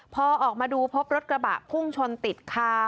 พอออกมาดูพบรถกระบะพุ่งชนติดคา